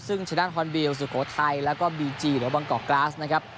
ซึ่งชนะฮอนบิลสุโขทัยแล้วก็บีจีหรือบางกอกกราสนะครับ